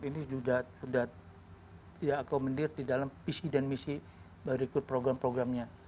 ini sudah diakomodir di dalam visi dan misi berikut program programnya